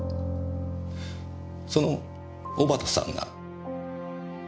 その小幡さんが。